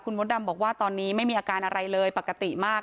มดดำบอกว่าตอนนี้ไม่มีอาการอะไรเลยปกติมาก